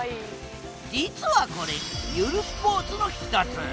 実はこれゆるスポーツの一つ。